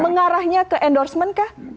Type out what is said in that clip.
mengarahnya ke endorsement kah